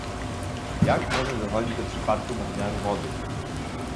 Jak może dochodzić do przypadku nadmiaru wody?